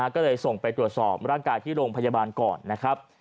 ก็เลยส่งไปตรวจสอบร่างกายที่โรงพยาบาลก่อนนะครับ